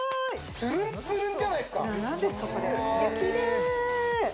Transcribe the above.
つるんつるんじゃないですかきれい！